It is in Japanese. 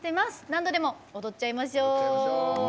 何度でも踊っちゃいましょう。